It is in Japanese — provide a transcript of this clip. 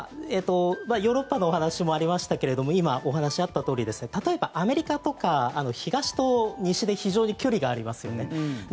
ヨーロッパのお話もありましたが今、お話あったとおり例えば、アメリカとか東と西で非常に距離がありますよね。